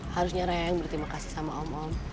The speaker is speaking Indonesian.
harusnya saya yang berterima kasih sama om om